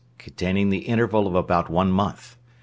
Containing The Interval Of About One Month.